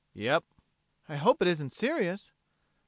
"Yep." "I hope it isn't serious."